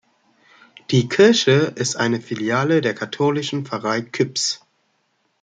Die Kirche ist eine Filiale der katholischen Pfarrei Küps.